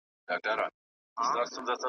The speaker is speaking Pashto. لکه شاعر د زړه په وینو مي نظمونه لیکم .